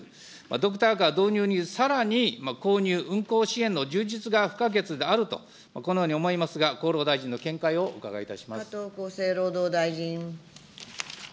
ドクターカー導入にさらに購入、運行支援の充実が不可欠であると、このように思いますが、厚労大臣加藤厚生労働大臣。